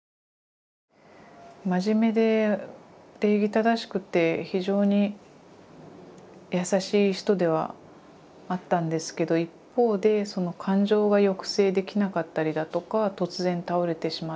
真面目で礼儀正しくて非常に優しい人ではあったんですけど一方で感情が抑制できなかったりだとか突然倒れてしまったり。